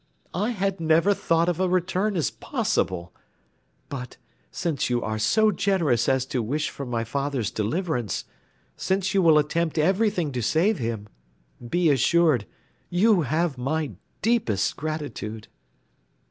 I had never thought of a return as possible; but, since you are so generous as to wish for my father's deliverance, since you will attempt everything to save him, be assured you have my deepest gratitude."